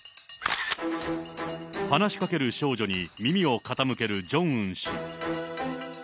話しかける少女に耳を傾けるジョンウン氏。